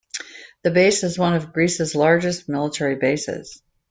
The base is one of Greece's largest military bases.